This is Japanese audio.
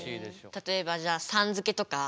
例えばじゃあ「さん」付けとか。